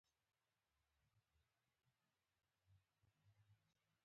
تاسې مقر ته تللي يئ.